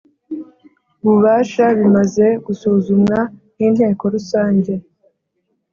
ububasha bimaze gusuzumwa nInteko Rusange